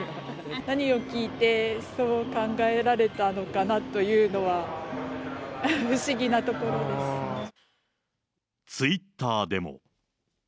何を聞いてそう考えられたのかなというのは、不思議なところツイッターでも。